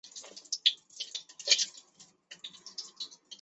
若尔人口变化图示